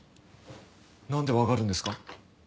なんでわかるんですか？